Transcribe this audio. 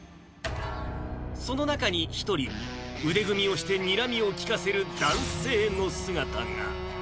その中に１人、腕組みをしてにらみを利かせる男性の姿が。